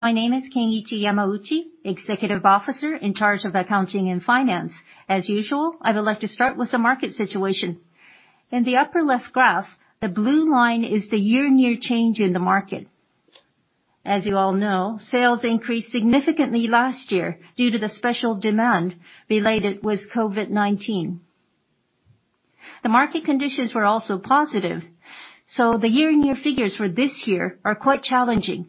My name is Kenichi Yamauchi, Executive Officer in charge of Accounting and Finance. As usual, I would like to start with the market situation. In the upper left graph, the blue line is the year-on-year change in the market. As you all know, sales increased significantly last year due to the special demand related with COVID-19. The market conditions were also positive, the year-on-year figures for this year are quite challenging.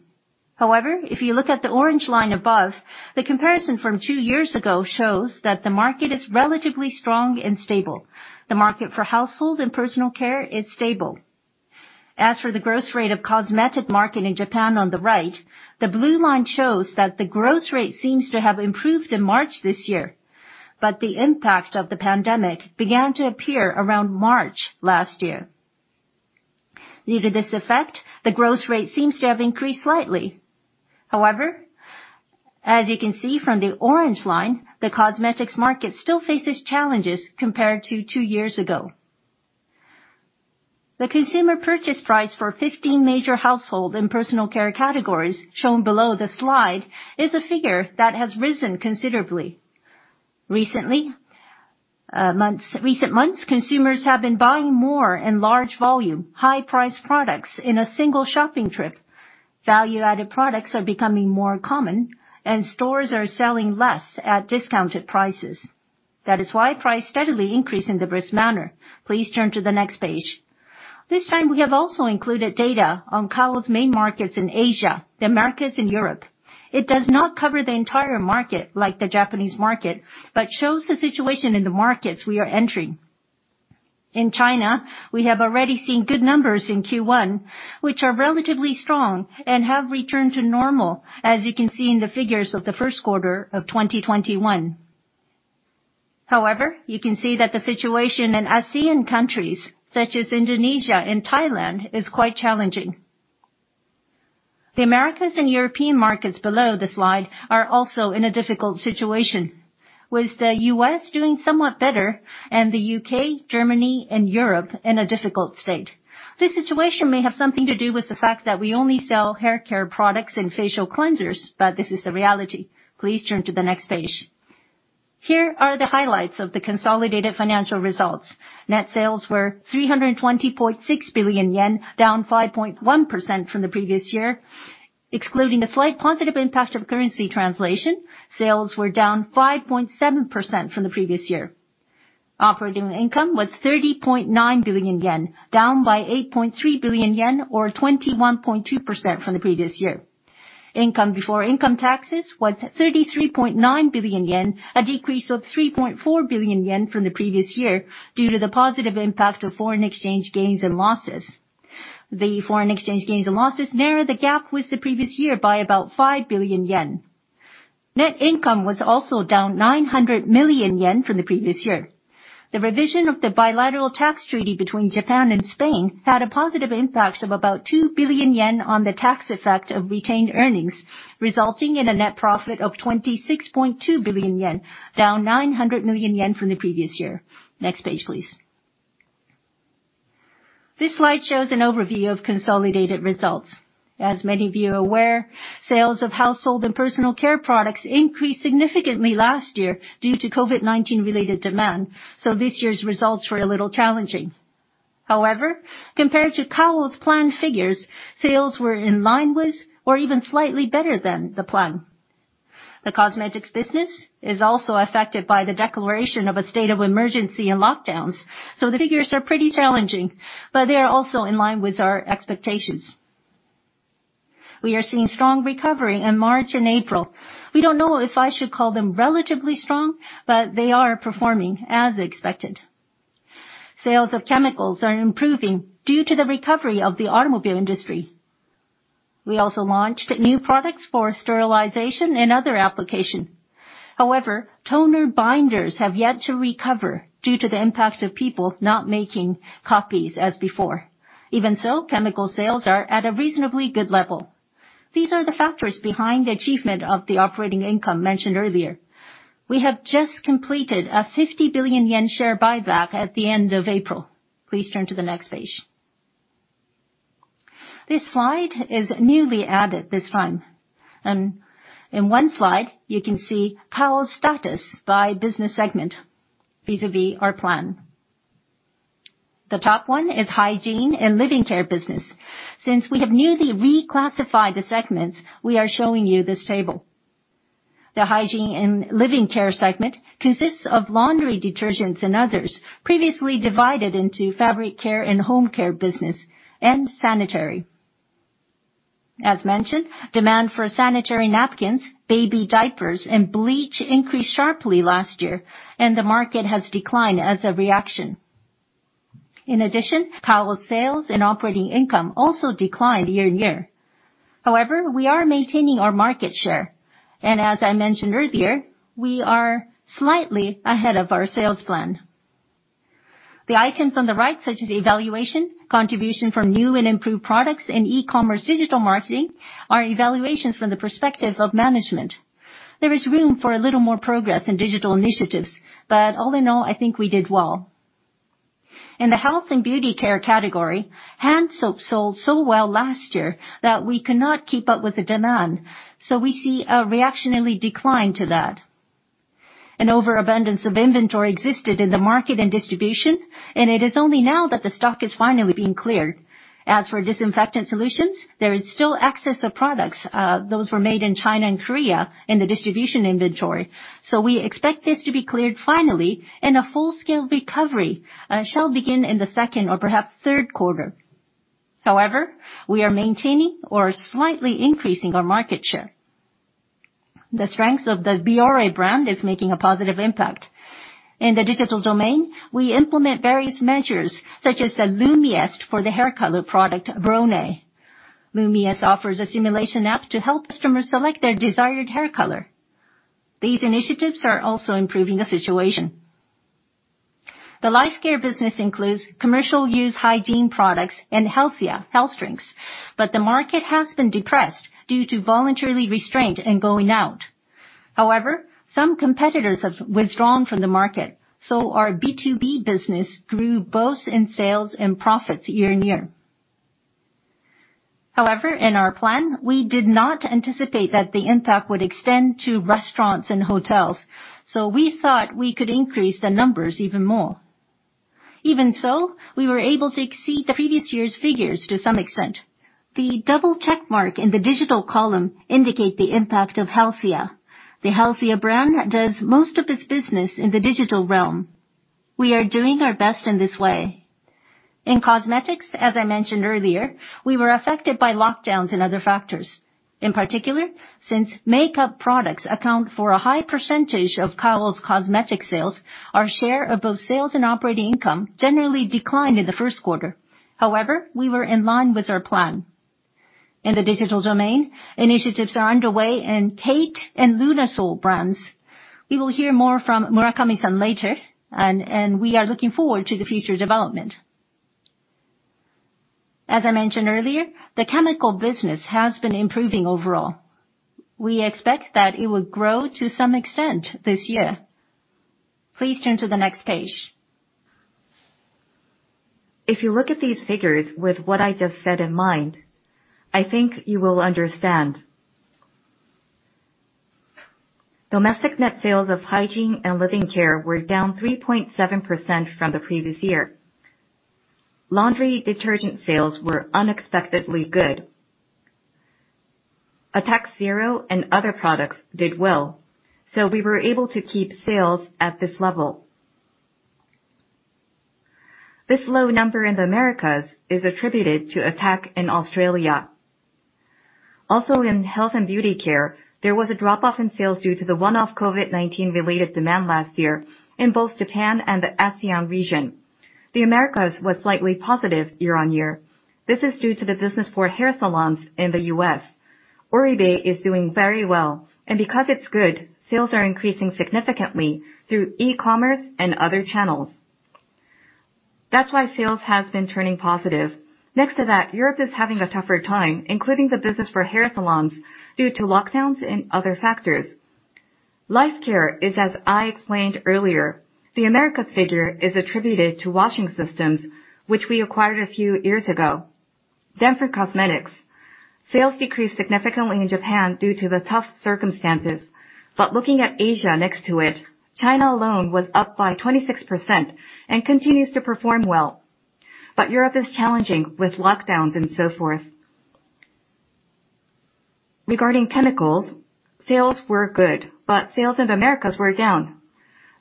If you look at the orange line above, the comparison from two years ago shows that the market is relatively strong and stable. The market for household and personal care is stable. As for the growth rate of cosmetic market in Japan on the right, the blue line shows that the growth rate seems to have improved in March this year. The impact of the pandemic began to appear around March last year. Due to this effect, the growth rate seems to have increased slightly. However, as you can see from the orange line, the cosmetics market still faces challenges compared to two years ago. The consumer purchase price for 15 major household and personal care categories, shown below the slide, is a figure that has risen considerably. In recent months, consumers have been buying more in large volume, high-price products in a single shopping trip. Value-added products are becoming more common, and stores are selling less at discounted prices. That is why price steadily increased in the brisk manner. Please turn to the next page. This time, we have also included data on Kao's main markets in Asia, the Americas, and Europe. It does not cover the entire market like the Japanese market, but shows the situation in the markets we are entering. In China, we have already seen good numbers in Q1, which are relatively strong and have returned to normal, as you can see in the figures of the first quarter of 2021. You can see that the situation in ASEAN countries, such as Indonesia and Thailand, is quite challenging. The Americas and European markets below the slide are also in a difficult situation, with the U.S. doing somewhat better and the U.K., Germany, and Europe in a difficult state. This situation may have something to do with the fact that we only sell haircare products and facial cleansers, but this is the reality. Please turn to the next page. Here are the highlights of the consolidated financial results. Net sales were 320.6 billion yen, down 5.1% from the previous year. Excluding a slight positive impact of currency translation, sales were down 5.7% from the previous year. Operating income was 30.9 billion yen, down by 8.3 billion yen or 21.2% from the previous year. Income before income taxes was 33.9 billion yen, a decrease of 3.4 billion yen from the previous year due to the positive impact of foreign exchange gains and losses. The foreign exchange gains and losses narrowed the gap with the previous year by about 5 billion yen. Net income was also down 900 million yen from the previous year. The revision of the bilateral tax treaty between Japan and Spain had a positive impact of about 2 billion yen on the tax effect of retained earnings, resulting in a net profit of 26.2 billion yen, down 900 million yen from the previous year. Next page, please. This slide shows an overview of consolidated results. As many of you are aware, sales of household and personal care products increased significantly last year due to COVID-19-related demand, so this year's results were a little challenging. However, compared to Kao's planned figures, sales were in line with or even slightly better than the plan. The cosmetics business is also affected by the declaration of a state of emergency and lockdowns, so the figures are pretty challenging, but they are also in line with our expectations. We are seeing strong recovery in March and April. We don't know if I should call them relatively strong, but they are performing as expected. Sales of chemicals are improving due to the recovery of the automobile industry. We also launched new products for sterilization and other application. However, toner binders have yet to recover due to the impact of people not making copies as before. Even so, chemical sales are at a reasonably good level. These are the factors behind the achievement of the operating income mentioned earlier. We have just completed a 50 billion yen share buyback at the end of April. Please turn to the next page. This slide is newly added this time. In one slide, you can see Kao's status by business segment vis-a-vis our plan. The top one is Hygiene and Living Care Business. Since we have newly reclassified the segments, we are showing you this table. The Hygiene and Living Care Segment consists of laundry detergents and others, previously divided into Fabric Care and Home Care Business, and sanitary. As mentioned, demand for sanitary napkins, baby diapers, and bleach increased sharply last year, and the market has declined as a reaction. In addition, Kao's sales and operating income also declined year on year. However, we are maintaining our market share. As I mentioned earlier, we are slightly ahead of our sales plan. The items on the right, such as evaluation, contribution from new and improved products, and e-commerce digital marketing, are evaluations from the perspective of management. There is room for a little more progress in digital initiatives, but all in all, I think we did well. In the health and beauty care category, hand soap sold so well last year that we could not keep up with the demand. We see a reactionary decline to that. An overabundance of inventory existed in the market and distribution, and it is only now that the stock is finally being cleared. As for disinfectant solutions, there is still excess of products. Those were made in China and Korea in the distribution inventory. We expect this to be cleared finally, and a full-scale recovery shall begin in the second or perhaps third quarter. We are maintaining or slightly increasing our market share. The strengths of the Bioré brand is making a positive impact. In the digital domain, we implement various measures such as the Liese for the hair color product, Blauné. Liese offers a simulation app to help customers select their desired hair color. These initiatives are also improving the situation. The life care business includes commercial use hygiene products and Healthya health drinks, the market has been depressed due to voluntarily restraint in going out. Some competitors have withdrawn from the market, our B2B business grew both in sales and profits year-on-year. In our plan, we did not anticipate that the impact would extend to restaurants and hotels, we thought we could increase the numbers even more. We were able to exceed the previous year's figures to some extent. The double check mark in the digital column indicate the impact of Healthya. The Healthya brand does most of its business in the digital realm. We are doing our best in this way. In cosmetics, as I mentioned earlier, we were affected by lockdowns and other factors. In particular, since makeup products account for a high percentage of Kao's cosmetic sales, our share of both sales and operating income generally declined in the first quarter. We were in line with our plan. In the digital domain, initiatives are underway in KATE and LUNASOL brands. We will hear more from Murakami-san later, and we are looking forward to the future development. As I mentioned earlier, the chemical business has been improving overall. We expect that it will grow to some extent this year. Please turn to the next page. If you look at these figures with what I just said in mind, I think you will understand. Domestic net sales of Hygiene and Living Care were down 3.7% from the previous year. Laundry detergent sales were unexpectedly good. Attack ZERO and other products did well, so we were able to keep sales at this level. This low number in the Americas is attributed to uncertain. Also in health and beauty care, there was a drop-off in sales due to the one-off COVID-19 related demand last year in both Japan and the ASEAN region. The Americas was slightly positive year-on-year. This is due to the business for hair salons in the U.S. Oribe is doing very well, and because it's good, sales are increasing significantly through e-commerce and other channels. That's why sales has been turning positive. Next to that, Europe is having a tougher time, including the business for hair salons due to lockdowns and other factors. Life care is as I explained earlier. The Americas figure is attributed to Washing Systems, which we acquired a few years ago. For cosmetics. Sales decreased significantly in Japan due to the tough circumstances. Looking at Asia next to it, China alone was up by 26% and continues to perform well. Europe is challenging with lockdowns and so forth. Regarding chemicals, sales were good, but sales in the Americas were down.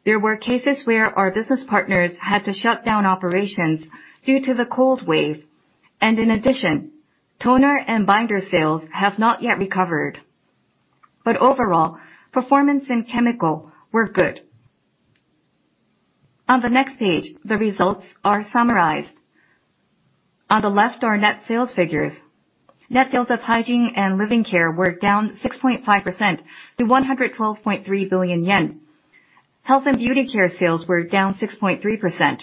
There were cases where our business partners had to shut down operations due to the cold wave, in addition, toner and binder sales have not yet recovered. Overall, performance in Chemical were good. On the next page, the results are summarized. On the left are net sales figures. Net sales of Hygiene and Living Care were down 6.5% to 112.3 billion yen. Health and Beauty Care sales were down 6.3%.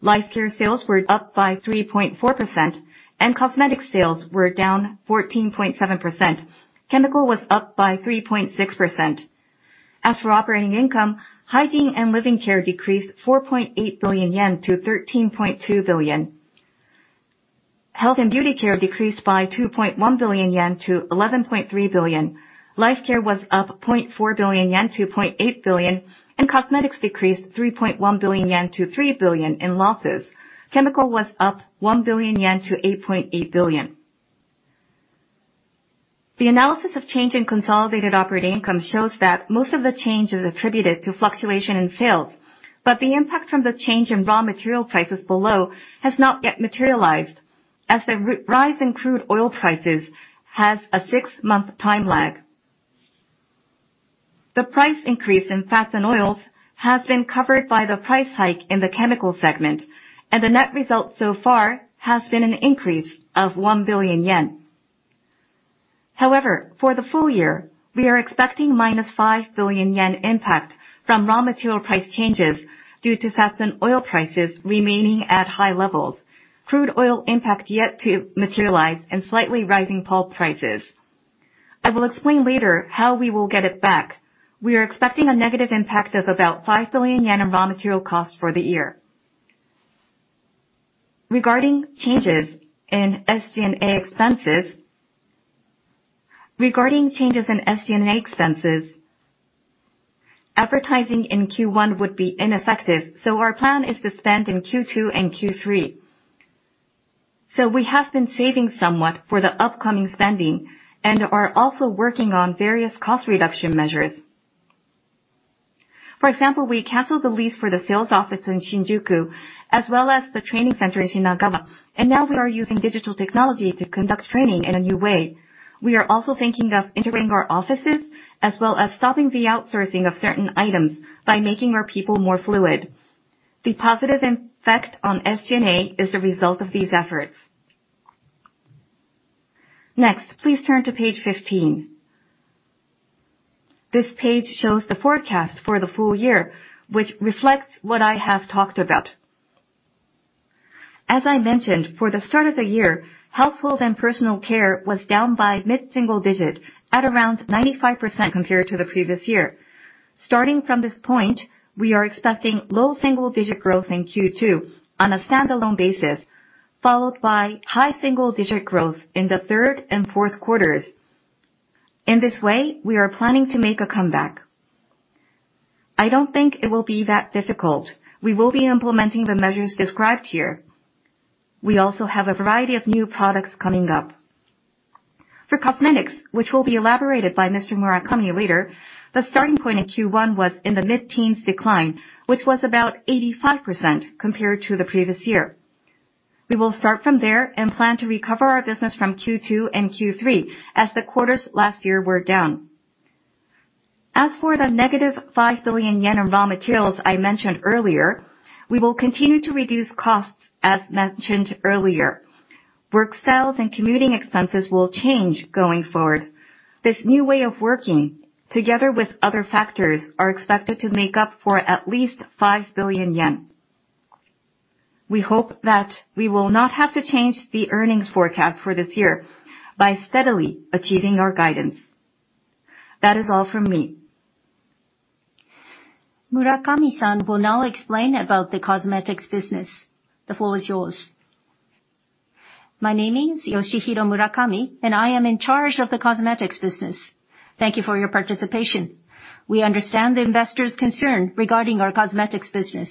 Life Care sales were up by 3.4%, and Cosmetics sales were down 14.7%. Chemical was up by 3.6%. As for operating income, Hygiene and Living Care decreased 4.8 billion-13.2 billion yen. Health and Beauty Care decreased by 2.1 billion-11.3 billion yen. Life Care was up 0.4 billion-0.8 billion yen. Cosmetics decreased 3.1 billion yen to 3 billion in losses. Chemical was up 1 billion-8.8 billion yen. The analysis of change in consolidated operating income shows that most of the change is attributed to fluctuation in sales, but the impact from the change in raw material prices below has not yet materialized, as the rise in crude oil prices has a six-month time lag. The price increase in fats and oils has been covered by the price hike in the chemical segment, and the net result so far has been an increase of 1 billion yen. However, for the full year, we are expecting minus 5 billion yen impact from raw material price changes due to fats and oil prices remaining at high levels, crude oil impact yet to materialize, and slightly rising pulp prices. I will explain later how we will get it back. We are expecting a negative impact of about 5 billion yen in raw material costs for the year. Regarding changes in SG&A expenses, advertising in Q1 would be ineffective, our plan is to spend in Q2 and Q3. We have been saving somewhat for the upcoming spending, and are also working on various cost reduction measures. For example, we canceled the lease for the sales office in Shinjuku, as well as the training center in Shinagawa, and now we are using digital technology to conduct training in a new way. We are also thinking of integrating our offices, as well as stopping the outsourcing of certain items by making our people more fluid. The positive effect on SG&A is a result of these efforts. Next, please turn to page 15. This page shows the forecast for the full year, which reflects what I have talked about. As I mentioned, for the start of the year, household and personal care was down by mid-single digit at around 95% compared to the previous year. Starting from this point, we are expecting low double digit growth in Q2 on a standalone basis, followed by high single digit growth in the third and fourth quarters. In this way, we are planning to make a comeback. I don't think it will be that difficult. We will be implementing the measures described here. We also have a variety of new products coming up. For cosmetics, which will be elaborated by Mr. Murakami later, the starting point in Q1 was in the mid-teens decline, which was about 85% compared to the previous year. We will start from there and plan to recover our business from Q2 and Q3 as the quarters last year were down. As for the negative 5 billion yen in raw materials I mentioned earlier, we will continue to reduce costs, as mentioned earlier. Work styles and commuting expenses will change going forward. This new way of working, together with other factors, are expected to make up for at least 5 billion yen. We hope that we will not have to change the earnings forecast for this year by steadily achieving our guidance. That is all from me. Murakami-san will now explain about the cosmetics business. The floor is yours. My name is Yoshihiro Murakami, and I am in charge of the cosmetics business. Thank you for your participation. We understand the investors' concern regarding our cosmetics business.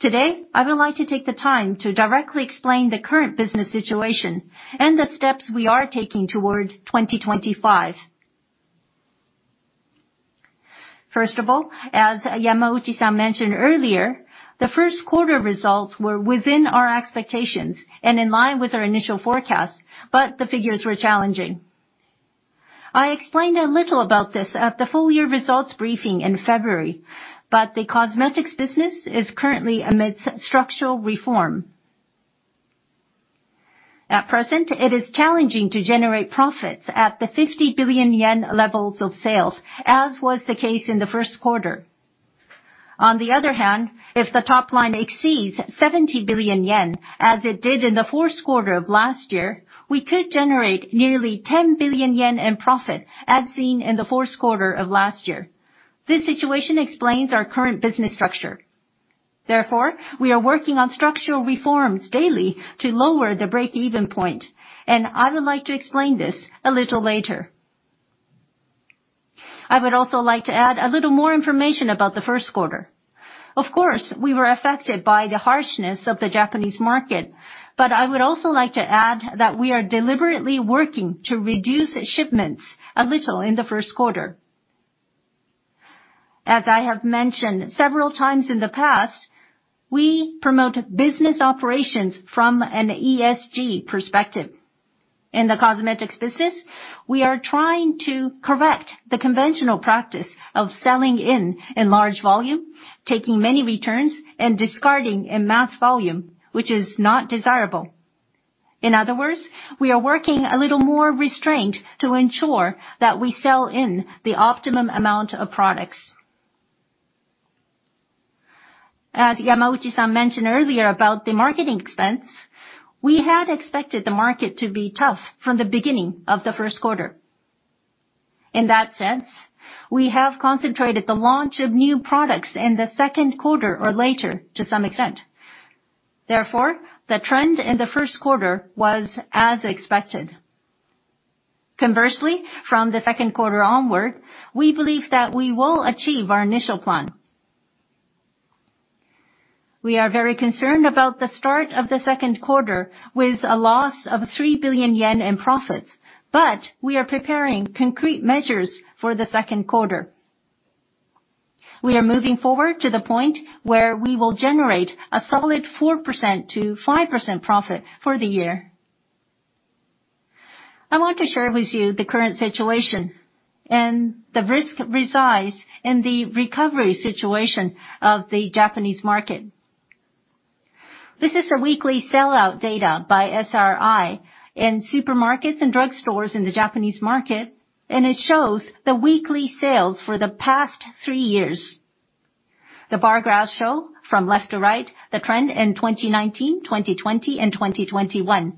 Today, I would like to take the time to directly explain the current business situation and the steps we are taking towards 2025. First of all, as Yamauchi-san mentioned earlier, the first quarter results were within our expectations and in line with our initial forecast, but the figures were challenging. I explained a little about this at the full year results briefing in February, but the cosmetics business is currently amid structural reform. At present, it is challenging to generate profits at the 50 billion yen levels of sales, as was the case in the first quarter. On the other hand, if the top line exceeds 70 billion yen, as it did in the fourth quarter of last year, we could generate nearly 10 billion yen in profit, as seen in the fourth quarter of last year. This situation explains our current business structure. Therefore, we are working on structural reforms daily to lower the break-even point, and I would like to explain this a little later. I would also like to add a little more information about the first quarter. Of course, we were affected by the harshness of the Japanese market, but I would also like to add that we are deliberately working to reduce shipments a little in the first quarter. As I have mentioned several times in the past, we promote business operations from an ESG perspective. In the cosmetics business, we are trying to correct the conventional practice of selling in large volume, taking many returns, and discarding in mass volume, which is not desirable. In other words, we are working a little more restrained to ensure that we sell in the optimum amount of products. As Yamauchi-san mentioned earlier about the marketing expense, we had expected the market to be tough from the beginning of the first quarter. In that sense, we have concentrated the launch of new products in the second quarter or later to some extent. Therefore, the trend in the first quarter was as expected. Conversely, from the second quarter onward, we believe that we will achieve our initial plan. We are very concerned about the start of the second quarter with a loss of 3 billion yen in profits, but we are preparing concrete measures for the second quarter. We are moving forward to the point where we will generate a solid 4%-5% profit for the year. I would like to share with you the current situation. The risk resides in the recovery situation of the Japanese market. This is a weekly sellout data by SRI in supermarkets and drugstores in the Japanese market. It shows the weekly sales for the past three years. The bar graphs show from left to right the trend in 2019, 2020, and 2021.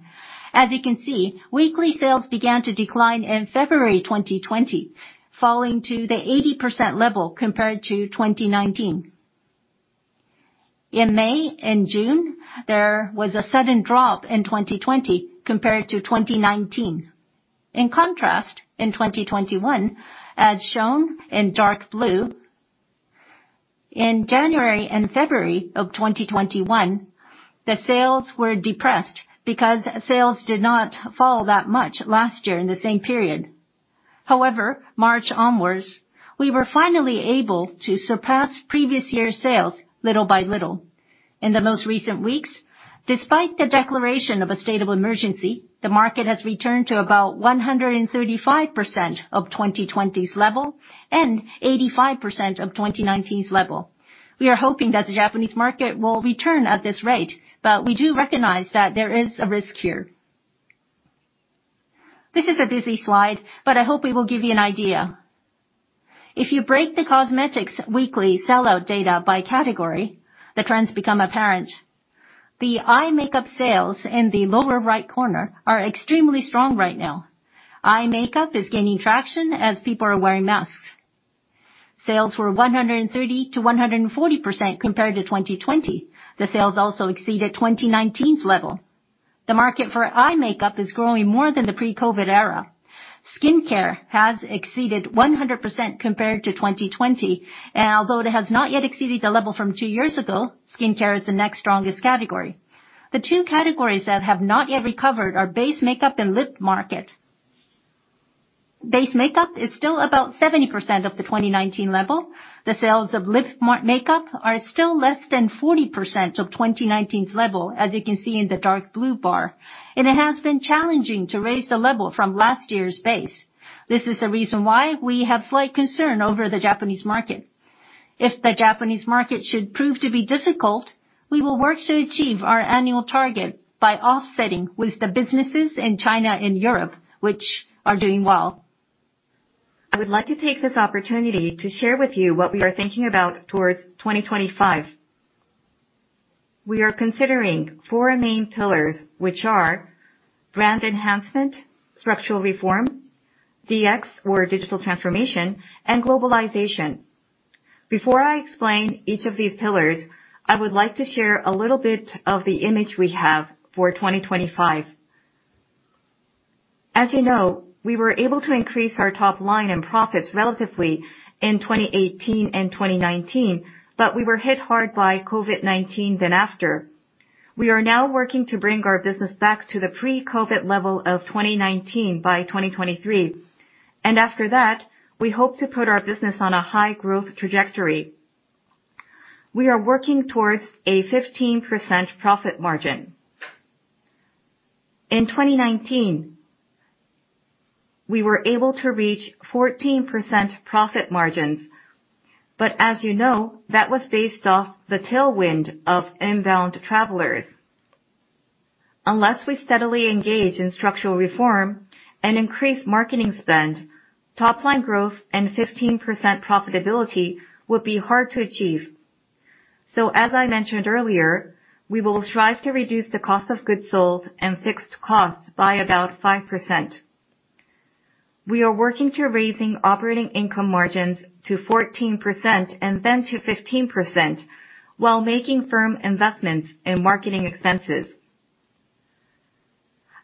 As you can see, weekly sales began to decline in February 2020, falling to the 80% level compared to 2019. In May and June, there was a sudden drop in 2020 compared to 2019. In contrast, in 2021, as shown in dark blue, in January and February of 2021, the sales were depressed because sales did not fall that much last year in the same period. March onwards, we were finally able to surpass previous year's sales little by little. In the most recent weeks, despite the declaration of a state of emergency, the market has returned to about 135% of 2020's level and 85% of 2019's level. We are hoping that the Japanese market will return at this rate, we do recognize that there is a risk here. This is a busy slide, I hope it will give you an idea. If you break the cosmetics weekly sell-out data by category, the trends become apparent. The eye makeup sales in the lower right corner are extremely strong right now. Eye makeup is gaining traction as people are wearing masks. Sales were 130%-140% compared to 2020. The sales also exceeded 2019's level. The market for eye makeup is growing more than the pre-COVID era. Skincare has exceeded 100% compared to 2020, and although it has not yet exceeded the level from two years ago, skincare is the next strongest category. The two categories that have not yet recovered are base makeup and lip market. Base makeup is still about 70% of the 2019 level. The sales of lip makeup are still less than 40% of 2019's level, as you can see in the dark blue bar, and it has been challenging to raise the level from last year's base. This is the reason why we have slight concern over the Japanese market. If the Japanese market should prove to be difficult, we will work to achieve our annual target by offsetting with the businesses in China and Europe, which are doing well. I would like to take this opportunity to share with you what we are thinking about towards 2025. We are considering four main pillars, which are brand enhancement, structural reform, DX or digital transformation, and globalization. Before I explain each of these pillars, I would like to share a little bit of the image we have for 2025. As you know, we were able to increase our top line and profits relatively in 2018 and 2019. We were hit hard by COVID-19 then after. We are now working to bring our business back to the pre-COVID level of 2019 by 2023. After that, we hope to put our business on a high growth trajectory. We are working towards a 15% profit margin. In 2019, we were able to reach 14% profit margins, as you know, that was based off the tailwind of inbound travelers. Unless we steadily engage in structural reform and increase marketing spend, top-line growth and 15% profitability would be hard to achieve. As I mentioned earlier, we will strive to reduce the cost of goods sold and fixed costs by about 5%. We are working to raising operating income margins to 14% and then to 15% while making firm investments in marketing expenses.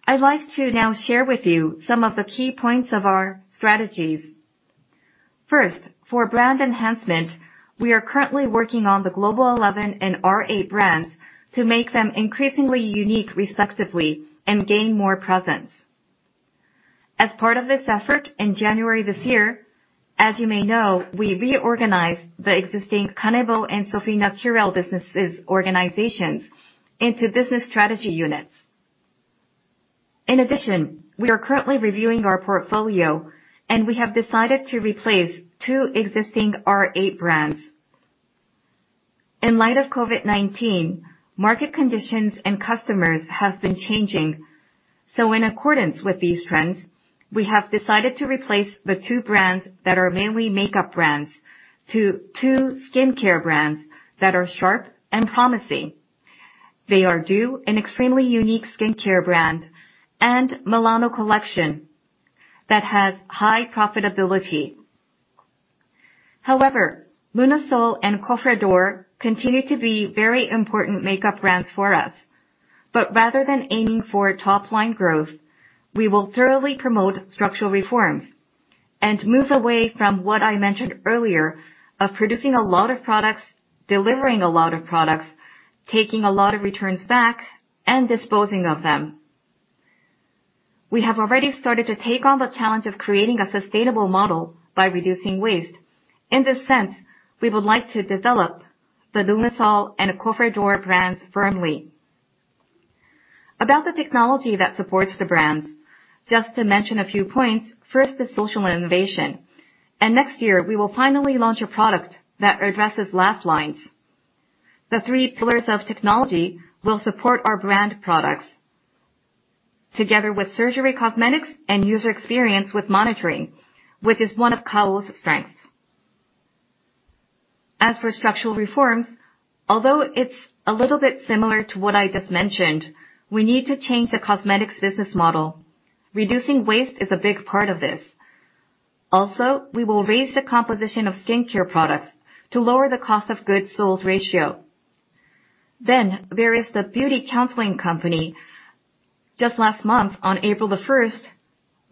I'd like to now share with you some of the key points of our strategies. First, for brand enhancement, we are currently working on the Global Eleven and R8 brands to make them increasingly unique respectively and gain more presence. As part of this effort, in January this year, as you may know, we reorganized the existing Kanebo and SOFINA Beauty business organizations into business strategy units. We are currently reviewing our portfolio, and we have decided to replace two existing R8 brands. In light of COVID-19, market conditions and customers have been changing. In accordance with these trends, we have decided to replace the two brands that are mainly makeup brands to two skincare brands that are sharp and promising. They are DEW, an extremely unique skincare brand, and Milano Collection that has high profitability. LUNASOL and COFFRET D'OR continue to be very important makeup brands for us. Rather than aiming for top-line growth, we will thoroughly promote structural reform and move away from what I mentioned earlier of producing a lot of products, delivering a lot of products, taking a lot of returns back, and disposing of them. We have already started to take on the challenge of creating a sustainable model by reducing waste. In this sense, we would like to develop the LUNASOL and COFFRET D'OR brands firmly. About the technology that supports the brands, just to mention a few points. First is social innovation. Next year, we will finally launch a product that addresses laugh lines. The three pillars of technology will support our brand products. Together with uncertain and user experience with monitoring, which is one of Kao's strengths. As for structural reforms, although it's a little bit similar to what I just mentioned, we need to change the cosmetics business model. Reducing waste is a big part of this. Also, we will raise the composition of skincare products to lower the cost of goods sold ratio. There is the beauty counseling company. Just last month, on April the 1st,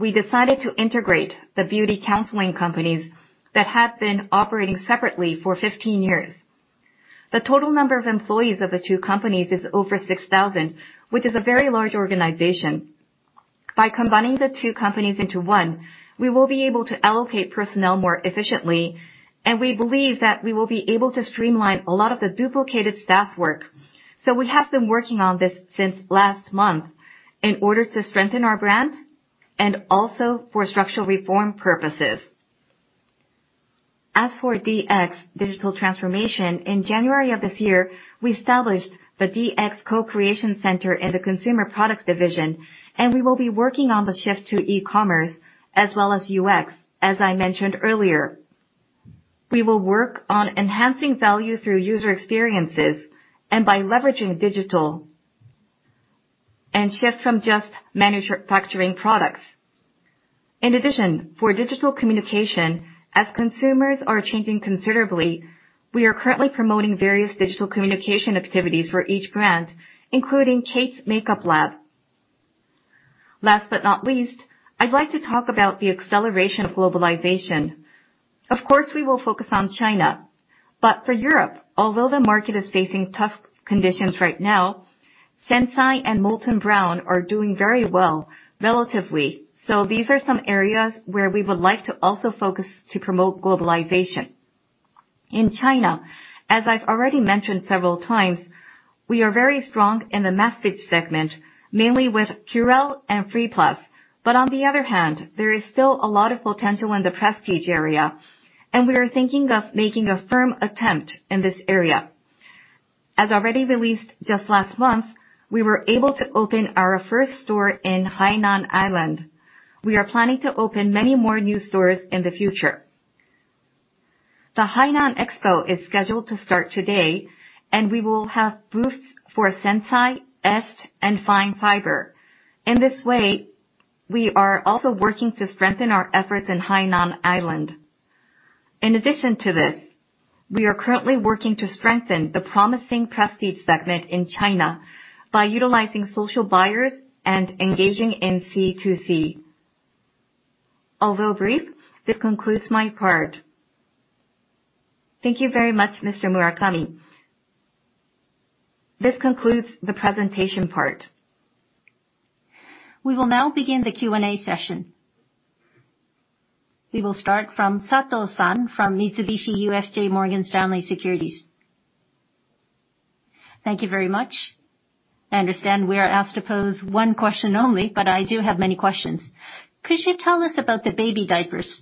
we decided to integrate the beauty counseling companies that had been operating separately for 15 years. The total number of employees of the two companies is over 6,000, which is a very large organization. By combining the two companies into one, we will be able to allocate personnel more efficiently, and we believe that we will be able to streamline a lot of the duplicated staff work. We have been working on this since last month in order to strengthen our brand and also for structural reform purposes. As for DX, digital transformation, in January of this year, we established the DX Co-Creation Center in the consumer product division, and we will be working on the shift to e-commerce as well as UX, as I mentioned earlier. We will work on enhancing value through user experiences and by leveraging digital, and shift from just manufacturing products. In addition, for digital communication, as consumers are changing considerably, we are currently promoting various digital communication activities for each brand, including KATE Makeup Lab. Last but not least, I'd like to talk about the acceleration of globalization. Of course, we will focus on China. For Europe, although the market is facing tough conditions right now, SENSAI and Molton Brown are doing very well, relatively. These are some areas where we would like to also focus to promote globalization. In China, as I've already mentioned several times, we are very strong in the masstige segment, mainly with Curél and Freeplus. On the other hand, there is still a lot of potential in the prestige area, and we are thinking of making a firm attempt in this area. As already released just last month, we were able to open our first store in Hainan Island. We are planning to open many more new stores in the future. The Hainan Expo is scheduled to start today, and we will have booths for SENSAI, est, and Fine Fiber. In this way, we are also working to strengthen our efforts in Hainan Island. In addition to this, we are currently working to strengthen the promising prestige segment in China by utilizing social buyers and engaging in C2C. Although brief, this concludes my part. Thank you very much, Mr. Murakami. This concludes the presentation part. We will now begin the Q&A session. We will start from Sato-san from Mitsubishi UFJ Morgan Stanley Securities. Thank you very much. I understand we are asked to pose one question only, but I do have many questions. Could you tell us about the baby diapers?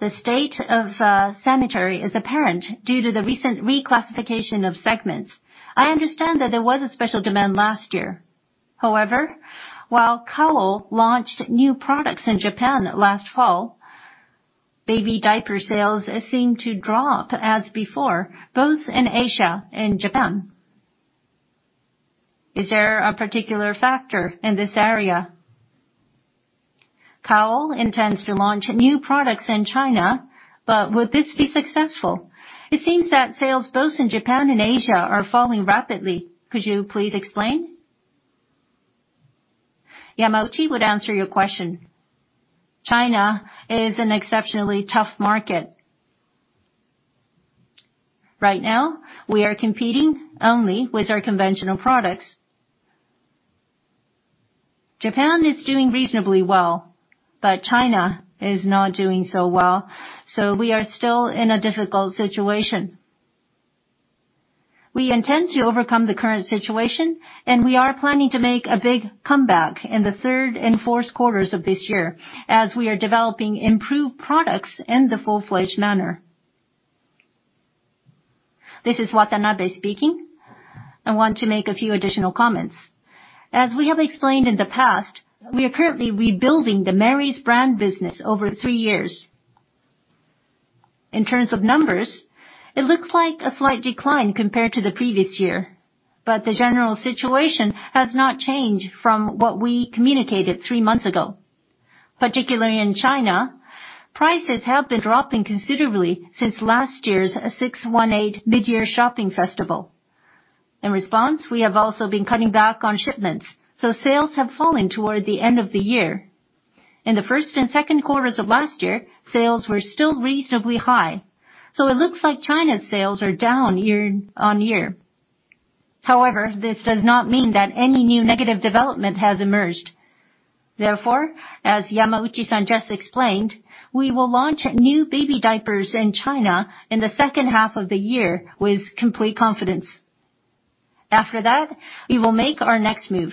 The state of sanitary is apparent due to the recent reclassification of segments. I understand that there was a special demand last year. However, while Kao launched new products in Japan last fall, baby diaper sales seem to drop as before, both in Asia and Japan. Is there a particular factor in this area? Kao intends to launch new products in China, but would this be successful? It seems that sales both in Japan and Asia are falling rapidly. Could you please explain? Yamauchi would answer your question. China is an exceptionally tough market. Right now, we are competing only with our conventional products. Japan is doing reasonably well, but China is not doing so well, so we are still in a difficult situation. We intend to overcome the current situation, and we are planning to make a big comeback in the third and fourth quarters of this year as we are developing improved products in the full-fledged manner. This is Watanabe speaking. I want to make a few additional comments. As we have explained in the past, we are currently rebuilding the Merries brand business over three years. In terms of numbers, it looks like a slight decline compared to the previous year, but the general situation has not changed from what we communicated three months ago. Particularly in China, prices have been dropping considerably since last year's 618 midyear shopping festival. In response, we have also been cutting back on shipments, so sales have fallen toward the end of the year. In the first and second quarters of last year, sales were still reasonably high. It looks like China's sales are down year-on-year. However, this does not mean that any new negative development has emerged. Therefore, as Yamauchi-san just explained, we will launch new baby diapers in China in the second half of the year with complete confidence. After that, we will make our next move.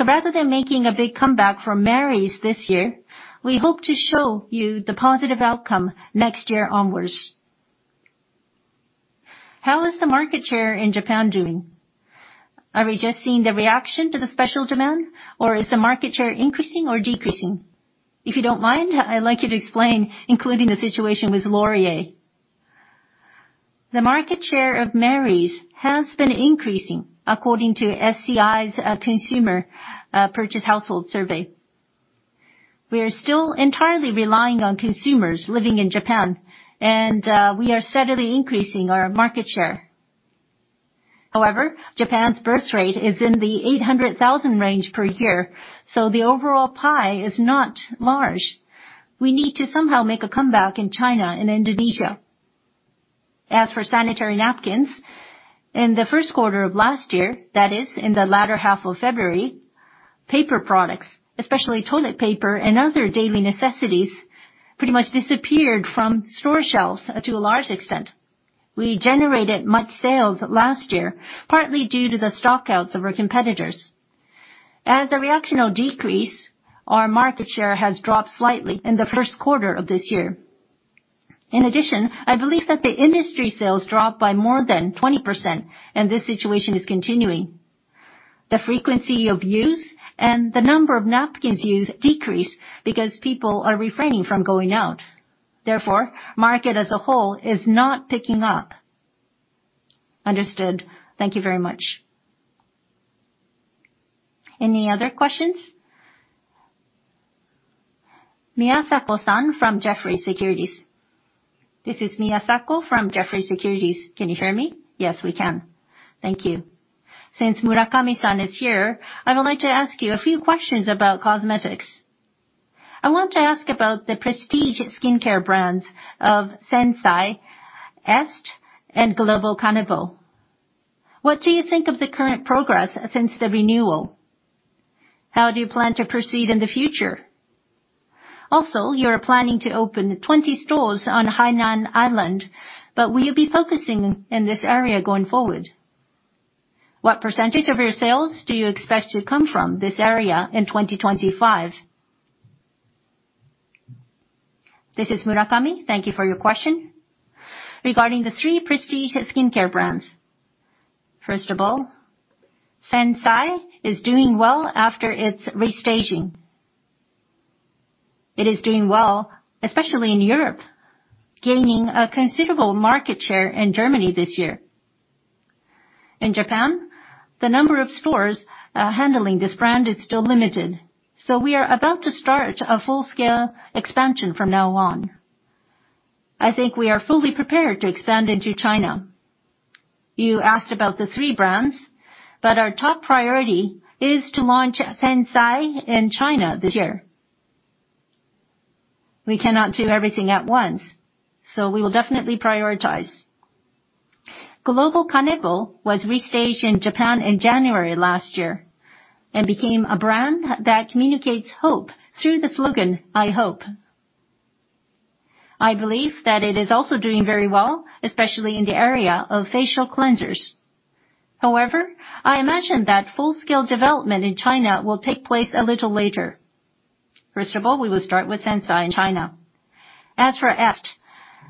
Rather than making a big comeback for Merries this year, we hope to show you the positive outcome next year onwards. How is the market share in Japan doing? Are we just seeing the reaction to the special demand, or is the market share increasing or decreasing? If you don't mind, I'd like you to explain, including the situation with Laurier. The market share of Merries has been increasing according to SCI's consumer purchase household survey. We are still entirely relying on consumers living in Japan, and we are steadily increasing our market share. However, Japan's birth rate is in the 800,000 range per year, so the overall pie is not large. We need to somehow make a comeback in China and Indonesia. As for sanitary napkins, in the first quarter of last year, that is, in the latter half of February, paper products, especially toilet paper and other daily necessities, pretty much disappeared from store shelves to a large extent. We generated much sales last year, partly due to the stock-outs of our competitors. As the reaction will decrease, our market share has dropped slightly in the first quarter of this year. In addition, I believe that the industry sales dropped by more than 20%, and this situation is continuing. The frequency of use and the number of napkins used decrease because people are refraining from going out. Therefore, market as a whole is not picking up. Understood. Thank you very much. Any other questions? Miyasako-san from Jefferies Securities. This is Miyasako from Jefferies Securities. Can you hear me? Yes, we can. Thank you. Since Murakami-san is here, I would like to ask you a few questions about cosmetics. I want to ask about the prestige skincare brands of SENSAI, est, and Global Kanebo. What do you think of the current progress since the renewal? How do you plan to proceed in the future? You are planning to open 20 stores on Hainan Island, but will you be focusing in this area going forward? What percentage of your sales do you expect to come from this area in 2025? This is Murakami. Thank you for your question. Regarding the three prestige skincare brands, first of all, SENSAI is doing well after its restaging. It is doing well, especially in Europe, gaining a considerable market share in Germany this year. In Japan, the number of stores handling this brand is still limited, so we are about to start a full-scale expansion from now on. I think we are fully prepared to expand into China. You asked about the three brands, but our top priority is to launch SENSAI in China this year. We cannot do everything at once, so we will definitely prioritize. Global Kanebo was restaged in Japan in January last year and became a brand that communicates hope through the slogan "I Hope." I believe that it is also doing very well, especially in the area of facial cleansers. I imagine that full-scale development in China will take place a little later. First of all, we will start with SENSAI in China. As for est,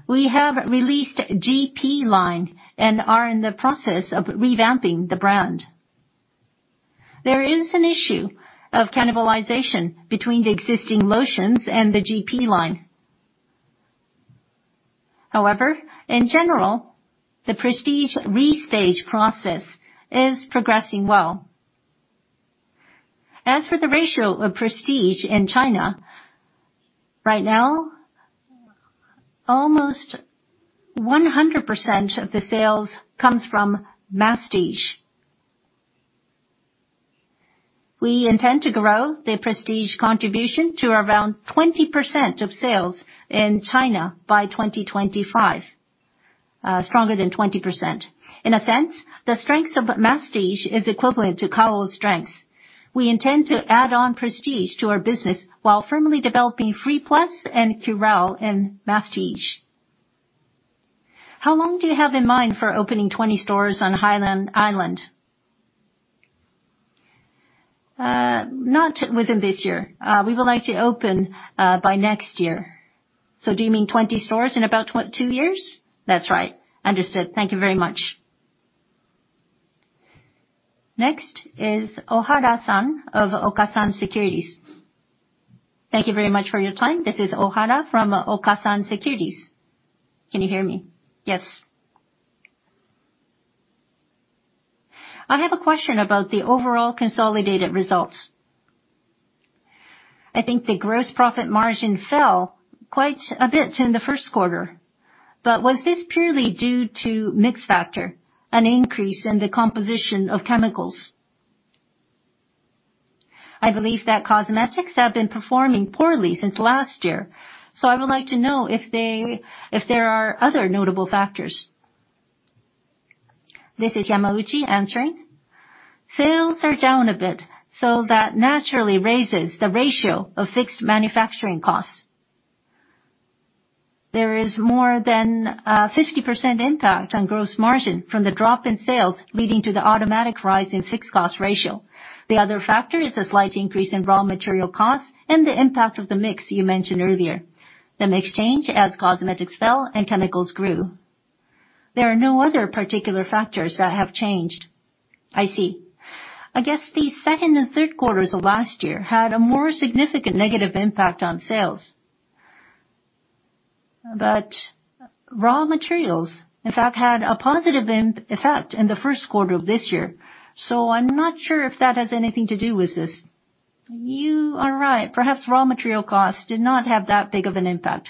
we have released G.P. line and are in the process of revamping the brand. There is an issue of cannibalization between the existing lotions and the G.P. line. However, in general, the prestige restage process is progressing well. As for the ratio of prestige in China, right now, almost 100% of the sales comes from masstige. We intend to grow the prestige contribution to around 20% of sales in China by 2025, stronger than 20%. In a sense, the strengths of masstige is equivalent to Kao's strengths. We intend to add on prestige to our business while firmly developing Freeplus and Curél and masstige. How long do you have in mind for opening 20 stores on Hainan Island? Not within this year. We would like to open by next year. Do you mean 20 stores in about two years? That's right. Understood. Thank you very much. Next is Ohara-san of Okasan Securities. Thank you very much for your time. This is Ohara from Okasan Securities. Can you hear me? Yes. I have a question about the overall consolidated results. I think the gross profit margin fell quite a bit in the first quarter. Was this purely due to mix factor, an increase in the composition of chemicals? I believe that cosmetics have been performing poorly since last year. I would like to know if there are other notable factors. This is Yamauchi answering. Sales are down a bit. That naturally raises the ratio of fixed manufacturing costs. There is more than a 50% impact on gross margin from the drop in sales, leading to the automatic rise in fixed cost ratio. The other factor is a slight increase in raw material costs and the impact of the mix you mentioned earlier. The mix change as cosmetics fell and chemicals grew. There are no other particular factors that have changed. I see. I guess the second and third quarters of last year had a more significant negative impact on sales. Raw materials, in fact, had a positive effect in the first quarter of this year. I'm not sure if that has anything to do with this. You are right. Perhaps raw material costs did not have that big of an impact.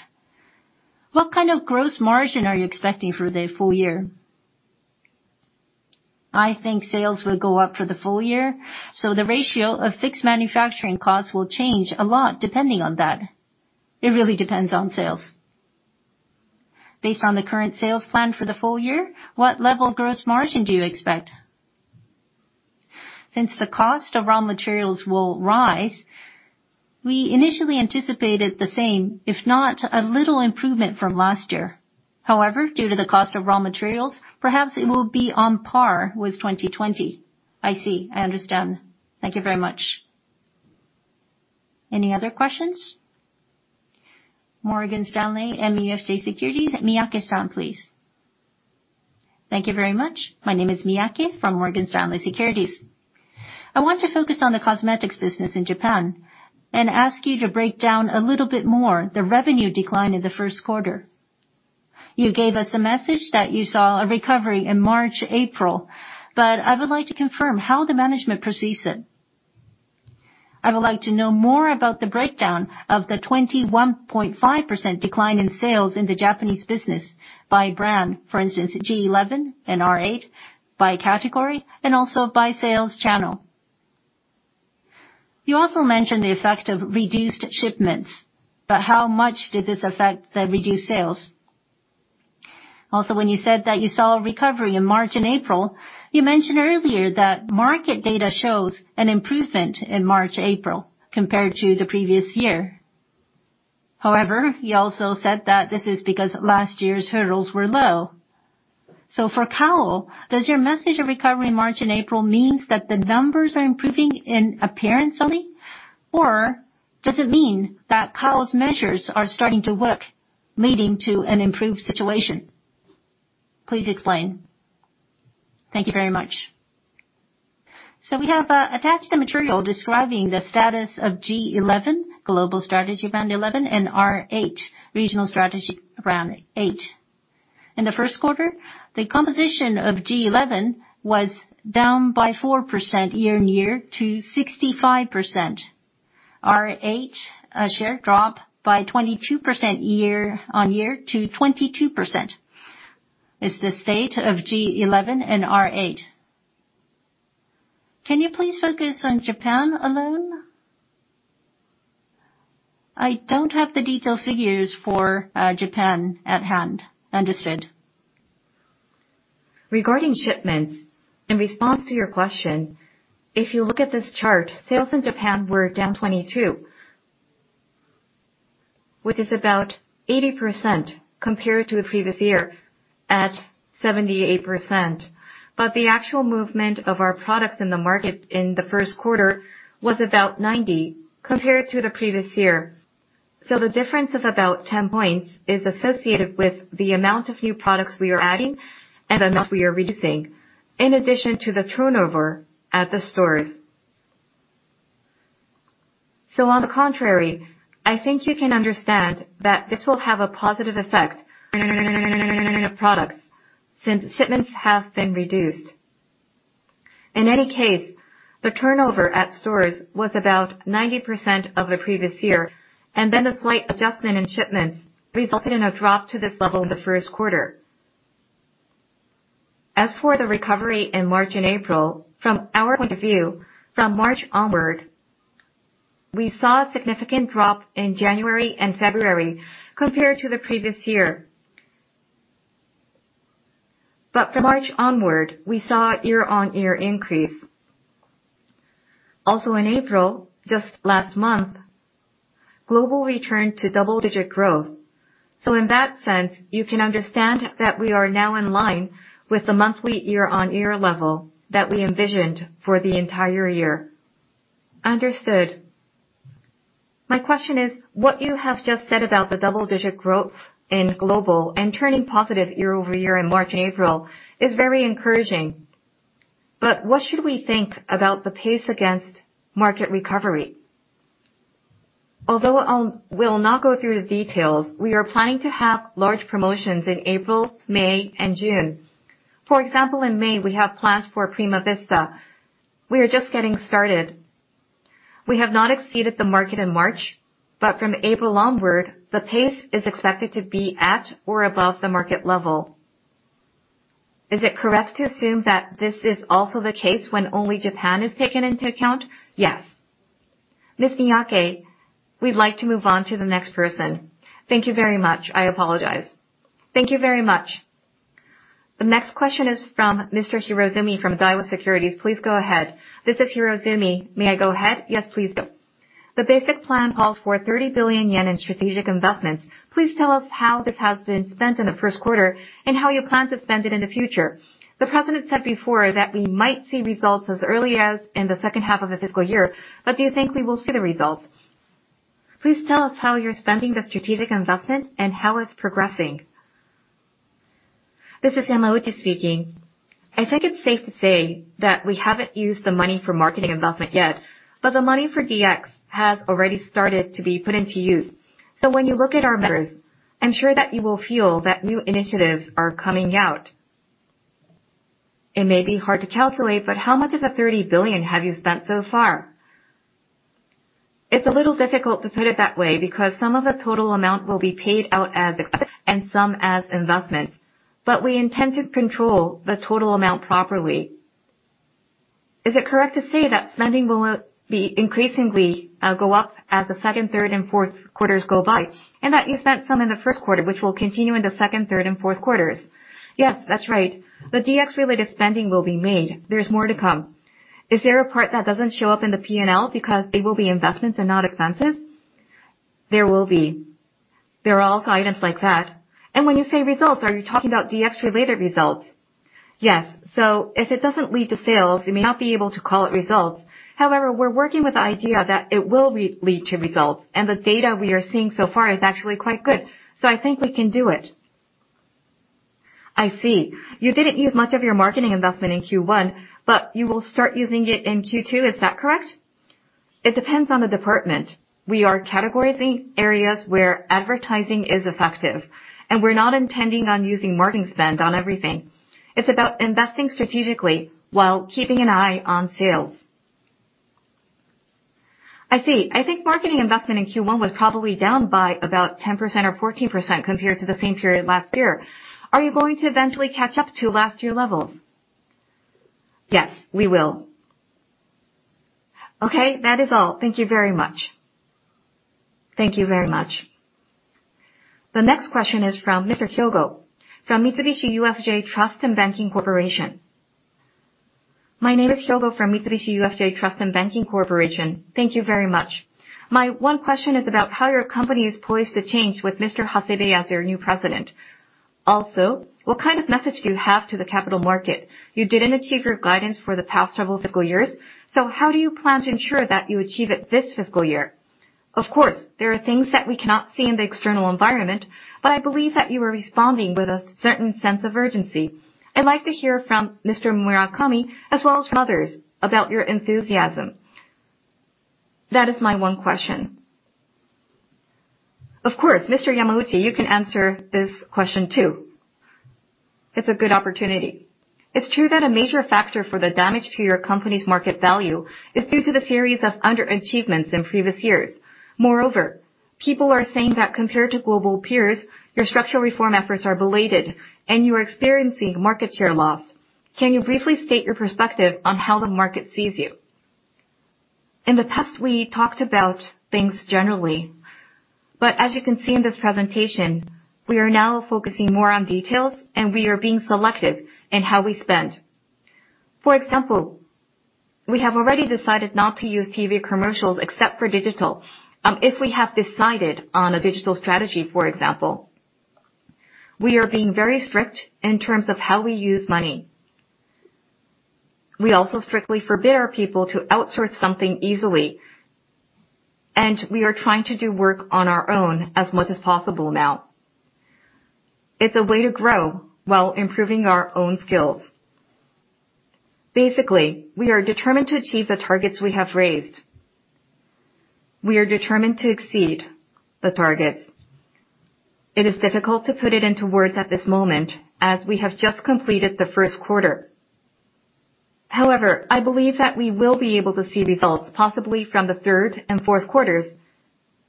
What kind of gross margin are you expecting for the full year? I think sales will go up for the full year, so the ratio of fixed manufacturing costs will change a lot depending on that. It really depends on sales. Based on the current sales plan for the full year, what level of gross margin do you expect? Since the cost of raw materials will rise, we initially anticipated the same, if not a little improvement from last year. Due to the cost of raw materials, perhaps it will be on par with 2020. I see. I understand. Thank you very much. Any other questions? Morgan Stanley, MUFG Securities, Miyake-san, please. Thank you very much. My name is Miyake from Morgan Stanley MUFG Securities. I want to focus on the cosmetics business in Japan and ask you to break down a little bit more the revenue decline in the first quarter. You gave us the message that you saw a recovery in March, April, but I would like to confirm how the management perceives it. I would like to know more about the breakdown of the 21.5% decline in sales in the Japanese business by brand, for instance, G11 and R8, by category, and also by sales channel. You also mentioned the effect of reduced shipments, how much did this affect the reduced sales? When you said that you saw a recovery in March and April, you mentioned earlier that market data shows an improvement in March, April, compared to the previous year. You also said that this is because last year's hurdles were low. For Kao, does your message of recovery in March and April mean that the numbers are improving in appearance only? Does it mean that Kao's measures are starting to work, leading to an improved situation? Please explain. Thank you very much. We have attached the material describing the status of G11, Global Strategy Brand 11, and R8, Regional Strategy Brand 8. In the first quarter, the composition of G11 was down by 4% year-on-year to 65%. R8 share dropped by 22% year-on-year to 22%. It's the state of G11 and R8. Can you please focus on Japan alone? I don't have the detailed figures for Japan at hand. Understood. Regarding shipments, in response to your question, if you look at this chart, sales in Japan were down 22, which is about 80% compared to the previous year at 78%. The actual movement of our products in the market in the first quarter was about 90% compared to the previous year. The difference of about 10 points is associated with the amount of new products we are adding and amount we are reducing, in addition to the turnover at the stores. On the contrary, I think you can understand that this will have a positive effect of products since shipments have been reduced. In any case, the turnover at stores was about 90% of the previous year, and then a slight adjustment in shipments resulted in a drop to this level in the first quarter. As for the recovery in March and April, from our point of view, from March onward, we saw a significant drop in January and February compared to the previous year. From March onward, we saw year-on-year increase. Also in April, just last month, global returned to double-digit growth. In that sense, you can understand that we are now in line with the monthly year-on-year level that we envisioned for the entire year. Understood. My question is, what you have just said about the double-digit growth in global and turning positive year-over-year in March and April is very encouraging. What should we think about the pace against market recovery? Although I will not go through the details, we are planning to have large promotions in April, May, and June. For example, in May, we have plans for Primavista. We are just getting started. We have not exceeded the market in March, but from April onward, the pace is expected to be at or above the market level. Is it correct to assume that this is also the case when only Japan is taken into account? Yes. Ms. Miyake, we'd like to move on to the next person. Thank you very much. I apologize. Thank you very much. The next question is from Mr. Hirozumi from Daiwa Securities. Please go ahead. This is Hirozumi. May I go ahead? Yes, please do. The basic plan calls for 30 billion yen in strategic investments. Tell us how this has been spent in the first quarter, and how you plan to spend it in the future. The president said before that we might see results as early as in the second half of the fiscal year, do you think we will see the results? Tell us how you're spending the strategic investment and how it's progressing. This is Yamauchi speaking. I think it's safe to say that we haven't used the money for marketing investment yet, the money for DX has already started to be put into use. When you look at our numbers, I'm sure that you will feel that new initiatives are coming out. It may be hard to calculate, how much of the 30 billion have you spent so far? It's a little difficult to put it that way because some of the total amount will be paid out as expenses and some as investments. We intend to control the total amount properly. Is it correct to say that spending will increasingly go up as the second, third, and fourth quarters go by, and that you spent some in the first quarter, which will continue in the second, third, and fourth quarters? Yes, that's right. The DX related spending will be made. There's more to come. Is there a part that doesn't show up in the P&L because they will be investments and not expenses? There will be. There are also items like that. When you say results, are you talking about DX related results? Yes. If it doesn't lead to sales, we may not be able to call it results. However, we're working with the idea that it will lead to results, and the data we are seeing so far is actually quite good. I think we can do it. I see. You didn't use much of your marketing investment in Q1, you will start using it in Q2, is that correct? It depends on the department. We are categorizing areas where advertising is effective, we're not intending on using marketing spend on everything. It's about investing strategically while keeping an eye on sales. I see. I think marketing investment in Q1 was probably down by about 10% or 14% compared to the same period last year. Are you going to eventually catch up to last year levels? Yes, we will. Okay, that is all. Thank you very much. Thank you very much. The next question is from Mr. Hyogo from Mitsubishi UFJ Trust and Banking Corporation. My name is Hyogo from Mitsubishi UFJ Trust and Banking Corporation. Thank you very much. My one question is about how your company is poised to change with Mr. Hasebe as your new president. What kind of message do you have to the capital market? You didn't achieve your guidance for the past several fiscal years. How do you plan to ensure that you achieve it this fiscal year? There are things that we cannot see in the external environment. I believe that you are responding with a certain sense of urgency. I'd like to hear from Mr. Murakami as well as from others about your enthusiasm. That is my one question. Mr. Yamauchi, you can answer this question too. It's a good opportunity. It's true that a major factor for the damage to your company's market value is due to the series of under-achievements in previous years. People are saying that compared to global peers, your structural reform efforts are belated, and you are experiencing market share loss. Can you briefly state your perspective on how the market sees you? In the past, we talked about things generally. As you can see in this presentation, we are now focusing more on details, and we are being selective in how we spend. For example, we have already decided not to use TV commercials except for digital, if we have decided on a digital strategy, for example. We are being very strict in terms of how we use money. We also strictly forbid our people to outsource something easily. We are trying to do work on our own as much as possible now. It's a way to grow while improving our own skills. Basically, we are determined to achieve the targets we have raised. We are determined to exceed the targets. It is difficult to put it into words at this moment as we have just completed the first quarter. I believe that we will be able to see results possibly from the third and fourth quarters,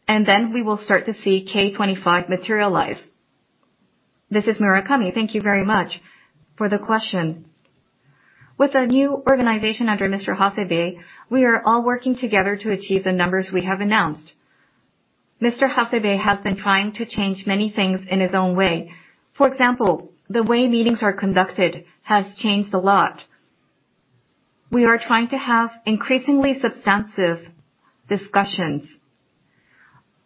and then we will start to see K25 materialize. This is Murakami. Thank you very much for the question. With the new organization under Mr. Hasebe, we are all working together to achieve the numbers we have announced. Mr. Hasebe has been trying to change many things in his own way. For example, the way meetings are conducted has changed a lot. We are trying to have increasingly substantive discussions.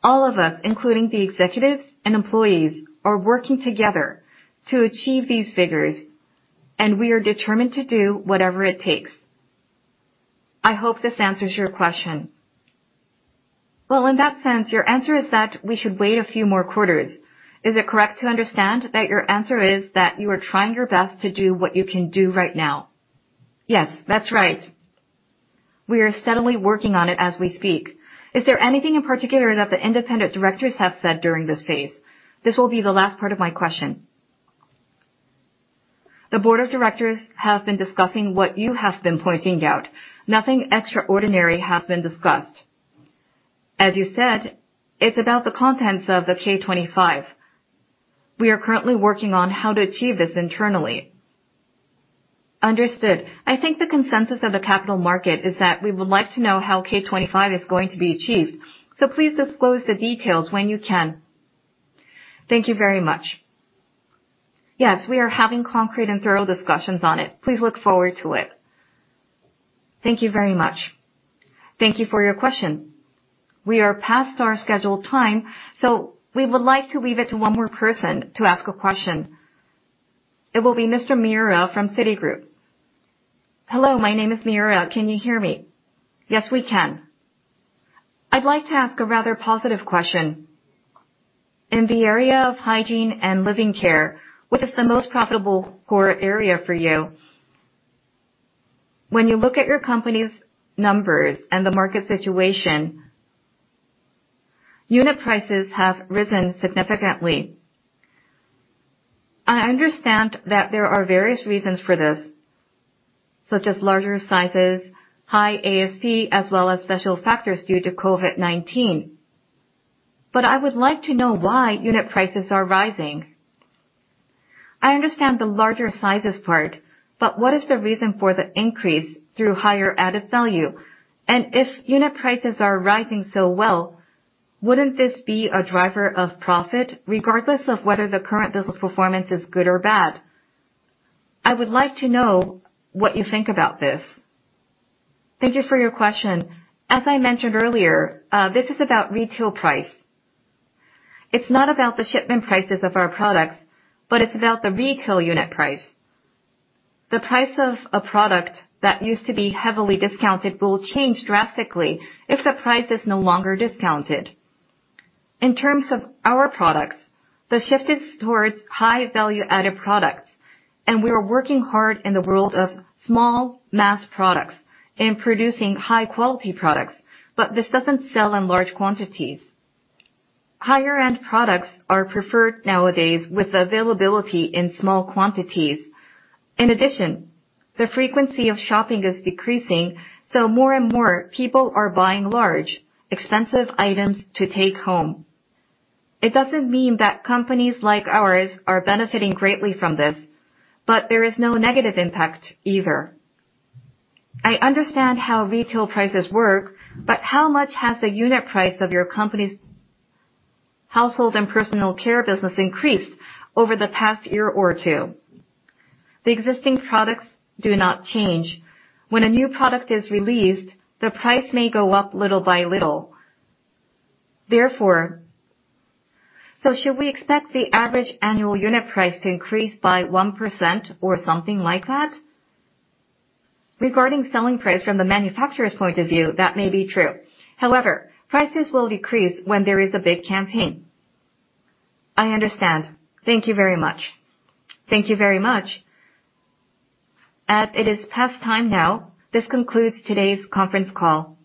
All of us, including the executives and employees, are working together to achieve these figures, and we are determined to do whatever it takes. I hope this answers your question. Well, in that sense, your answer is that we should wait a few more quarters. Is it correct to understand that your answer is that you are trying your best to do what you can do right now? Yes, that's right. We are steadily working on it as we speak. Is there anything in particular that the independent directors have said during this phase? This will be the last part of my question. The board of directors have been discussing what you have been pointing out. Nothing extraordinary has been discussed. As you said, it's about the contents of the K25. We are currently working on how to achieve this internally. Understood. I think the consensus of the capital market is that we would like to know how K25 is going to be achieved, so please disclose the details when you can. Thank you very much. We are having concrete and thorough discussions on it. Please look forward to it. Thank you very much. Thank you for your question. We are past our scheduled time, so we would like to leave it to one more person to ask a question. It will be Mr. Miura from Citigroup. Hello, my name is Miura. Can you hear me? We can. I'd like to ask a rather positive question. In the area of Hygiene and Living Care, what is the most profitable core area for you? When you look at your company's numbers and the market situation, unit prices have risen significantly. I understand that there are various reasons for this, such as larger sizes, high ASP, as well as special factors due to COVID-19. I would like to know why unit prices are rising. I understand the larger sizes part, what is the reason for the increase through higher added value? If unit prices are rising so well, wouldn't this be a driver of profit regardless of whether the current business performance is good or bad? I would like to know what you think about this. Thank you for your question. As I mentioned earlier, this is about retail price. It's not about the shipment prices of our products, but it's about the retail unit price. The price of a product that used to be heavily discounted will change drastically if the price is no longer discounted. In terms of our products, the shift is towards high value-added products, and we are working hard in the world of masstige products and producing high-quality products. This doesn't sell in large quantities. Higher-end products are preferred nowadays with availability in small quantities. In addition, the frequency of shopping is decreasing, so more and more people are buying large, expensive items to take home. It doesn't mean that companies like ours are benefiting greatly from this, but there is no negative impact either. I understand how retail prices work, but how much has the unit price of your company's household and personal care business increased over the past year or two? The existing products do not change. When a new product is released, the price may go up little by little. Therefore, should we expect the average annual unit price to increase by 1% or something like that? Regarding selling price from the manufacturer's point of view, that may be true. Prices will decrease when there is a big campaign. I understand. Thank you very much. Thank you very much. As it is past time now, this concludes today's conference call.